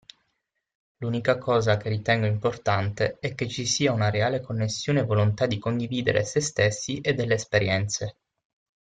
L'unica cosa che ritengo importante è che ci sia una reale connessione e volontà di condividere sé stessi e delle esperienze.